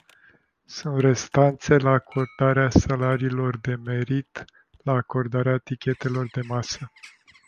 Sunt restanțe la acordarea salariilor de merit, la acordarea tichetelor de masă.